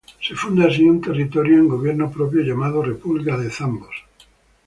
Se funda así un territorio con gobierno propio llamado "República de Zambos".